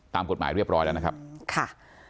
ตามกฎหมายเรียบร้อยแล้วนะครับค่ะ